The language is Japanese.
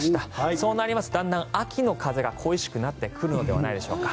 そうなりますとだんだん秋の風が恋しくなってくるのではないでしょうか。